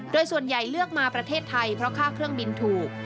โดยส่วนใหญ่เลือกมาประเทศไทยเพราะค่าเครื่องบินถูก